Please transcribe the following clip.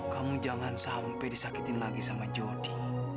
kamu jangan sampai disakitin lagi sama jody